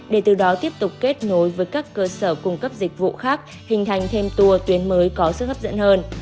để từ đó tiếp tục kết nối với các cơ sở cung cấp dịch vụ khác hình thành thêm tour tuyến mới có sức hấp dẫn hơn